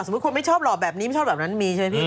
สมมุติที่คนง่ายชอบหล่อแบบนี้มีใช่ไหมผู้ชม